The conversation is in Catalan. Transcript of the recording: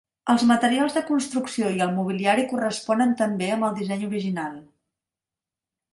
Els materials de construcció i el mobiliari corresponen també amb el disseny original.